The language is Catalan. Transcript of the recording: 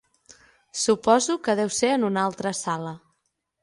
Suposo que deu ser en una altra sala.